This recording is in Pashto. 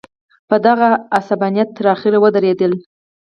په دغه غصبانیت تر اخره ودرېدل.